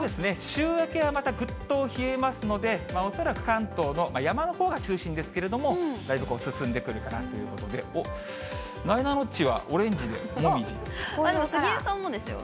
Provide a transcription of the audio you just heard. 週明けはまたぐっと冷えますので、恐らく関東の、山のほうが中心ですけれども、だいぶ進んでくるかなっていうことで、おっ、でも杉江さんもですよ。